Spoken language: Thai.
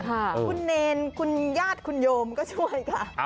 คุณเนรคุณญาติคุณโยมก็ช่วยค่ะ